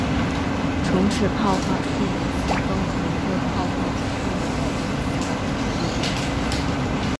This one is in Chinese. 重齿泡花树为清风藤科泡花树属下的一个种。